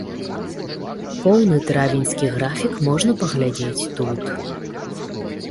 Поўны травеньскі графік можна паглядзець тут.